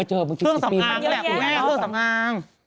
เฮื่องสำงางก็แหละคุณแม่เฮื่องสำงาง